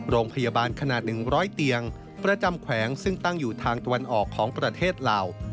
โรงพยาบาลขนาด๑๐๐เตียงประจำแขวงซึ่งตั้งอยู่ทางตะวันออกของประเทศลาว